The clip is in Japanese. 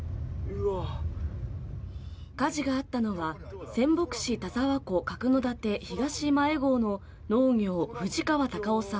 火事があったのは仙北市田沢湖角館東前郷の農業・藤川孝雄さん